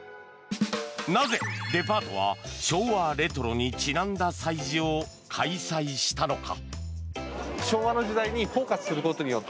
なぜデパートは昭和レトロにちなんだ催事を開催したのか。